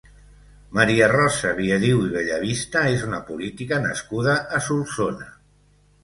Maria Rosa Viadiu i Bellavista és una política nascuda a Solsona.